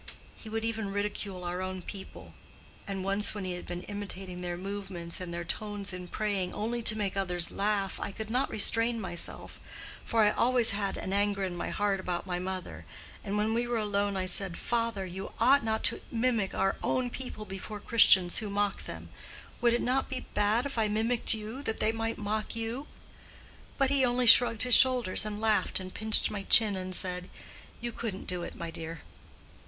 He would even ridicule our own people; and once when he had been imitating their movements and their tones in praying, only to make others laugh, I could not restrain myself—for I always had an anger in my heart about my mother—and when we were alone, I said, 'Father, you ought not to mimic our own people before Christians who mock them: would it not be bad if I mimicked you, that they might mock you?' But he only shrugged his shoulders and laughed and pinched my chin, and said, 'You couldn't do it, my dear.